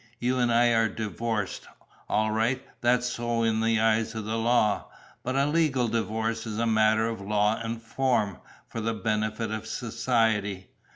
You and I are divorced. All right. That's so in the eyes of the law. But a legal divorce is a matter of law and form, for the benefit of society.